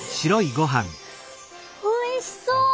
おいしそう！